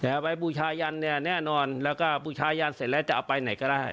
เอาไปบูชายันเนี่ยแน่นอนแล้วก็บูชายันเสร็จแล้วจะเอาไปไหนก็ได้